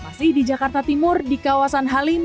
masih di jakarta timur di kawasan halim